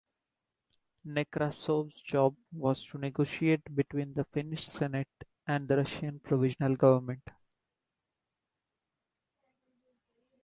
Nekrasov's job was to negotiate between the Finnish Senate and the Russian Provisional Government.